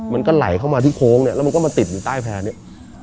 มันก็ไหลเข้ามาที่โค้งเนี่ยแล้วมันก็มาติดอยู่ใต้แพร่เนี่ย